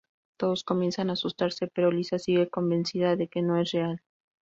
Todos comienzan a asustarse, pero Lisa sigue convencida de que no es real.